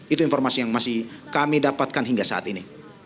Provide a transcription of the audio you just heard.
itu informasi yang masih kami dapatkan hingga saat ini